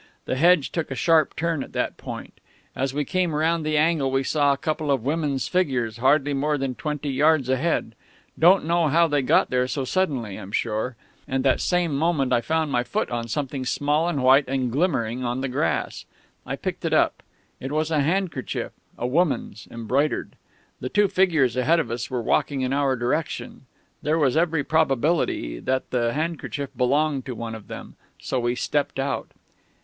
The hedge took a sharp turn at that point; as we came round the angle we saw a couple of women's figures hardly more than twenty yards ahead don't know how they got there so suddenly, I'm sure; and that same moment I found my foot on something small and white and glimmering on the grass. "I picked it up. It was a handkerchief a woman's embroidered "The two figures ahead of us were walking in our direction; there was every probability that the handkerchief belonged to one of them; so we stepped out....